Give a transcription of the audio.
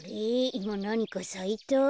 いまなにかさいた？